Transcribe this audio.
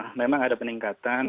jadi memang ada peningkatan